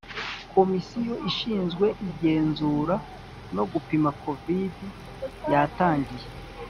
Komisiyo ishinzwe igenzura no gupima covide yatangiye